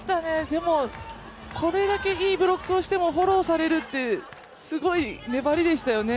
でもこれだけいいブロックをしてもフォローされるって、すごい粘りでしたよね